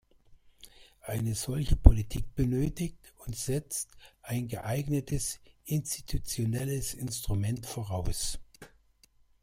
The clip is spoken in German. Eine solche Politik benötigt und setzt ein geeignetes institutionelles Instrument voraus.